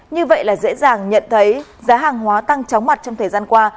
như vậy là dễ dàng nhận thấy giá hàng hóa tăng chóng mặt trong thời gian qua